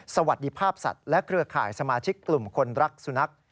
สวัสดีภาพสัตว์และเครือข่ายสมาชิกกลุ่มคนรักสุนัข